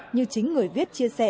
như chính người viết chia sẻ